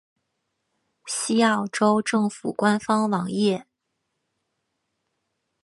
西澳州政府官方网页